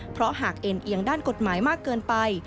เพราะหากเอ็นเอียงด้านกฎหมายมากเกินไป